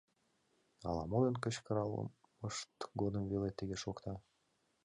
— Ала модын кычкырлымышт годым веле тыге шокта?